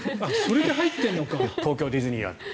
東京ディズニーランド。